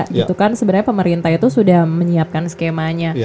itu kan sebenarnya pemerintah itu sudah menyiapkan skemanya